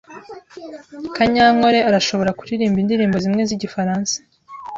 Kanyankore arashobora kuririmba indirimbo zimwe zigifaransa.